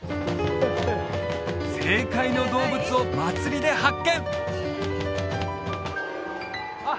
正解の動物を祭りで発見あっ